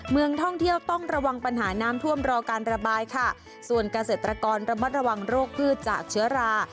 เมืองท่องเที่ยวต้องระวังปัญหาน้ำท่วมรอการระบายค่ะส่วนเกษตรกรระมัดระวังโรคพืชจากเชื้อรา